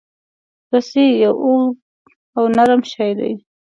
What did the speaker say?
رسۍ یو اوږد او نرم شی دی.